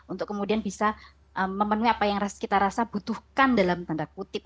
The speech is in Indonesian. untuk kemudian bisa memenuhi apa yang kita rasa butuhkan dalam tanda kutip